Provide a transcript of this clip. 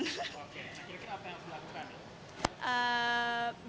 akhirnya apa yang harus dilakukan